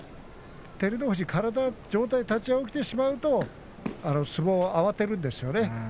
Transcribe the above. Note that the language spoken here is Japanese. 照ノ富士、上体で体が起きてしまうと相撲を慌てるんですよね。